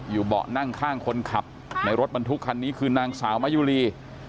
เบาะนั่งข้างคนขับในรถบรรทุกคันนี้คือนางสาวมะยุรี